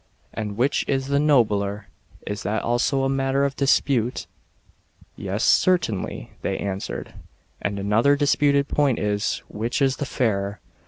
" And which is the nobler ? Is that also a matter of dispute ?" "Yes, certainly/' they answered. " And another disputed point is, 'which is the fairer